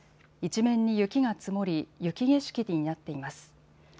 一面に雪が積もり雪景色になっています。